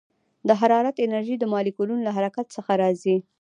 د حرارت انرژي د مالیکولونو له حرکت څخه راځي.